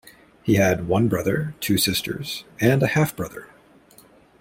He had one brother, two sisters, and a half brother.